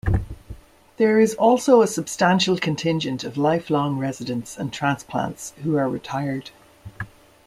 There is also a substantial contingent of lifelong residents and transplants who are retired.